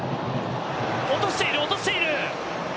落としている、落としている。